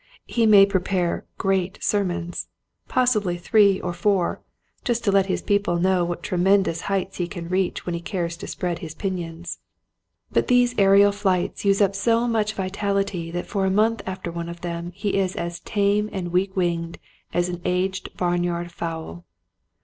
He may prepare great " sermons — possibly three or four Eagles, Race horses and Plodders. 203 — just to let his people know what tre mendous heights he can reach when he cares to spread his pinions. But these aerial flights use up so much vitality that for a month after one of them he is as tame and weak winged as an aged barn yard fowl.